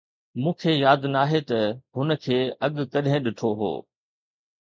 مون کي ياد ناهي ته هن کي اڳ ڪڏهن ڏٺو هو